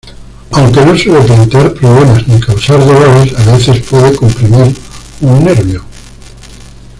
Aunque no suele plantear problemas ni causar dolores, a veces puede comprimir un nervio.